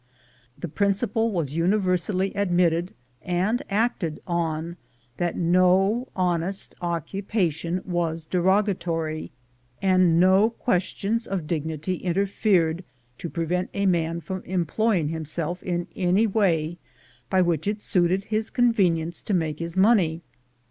The principle was universally admitted, and acted on, that no honest occupation was derogatory^, and no questions of dignity inter fered to prevent a man from employing himself in any way by which it suited his convenience to make his money.